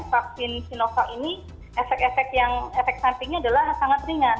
vaksin sinovac ini efek efek sampingnya adalah sangat ringan